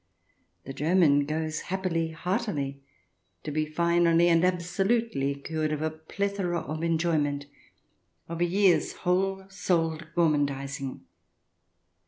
The German goes happily, heartily, to be finally and absolutely cured of a plethora of enjoyment, of a year's whole souled gormandizing.